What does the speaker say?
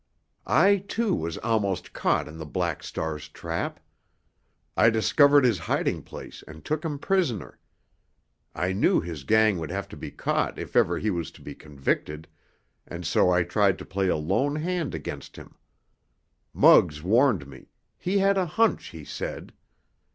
I, too, was almost caught in the Black Star's trap. I discovered his hiding place and took him prisoner. I knew his gang would have to be caught if ever he was to be convicted, and so I tried to play a lone hand against him. Muggs warned me—he had a hunch, he said.